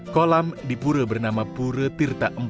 kolam di pura bernama pura tirta empat